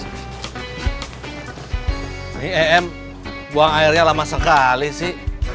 ini em buang airnya lama sekali sih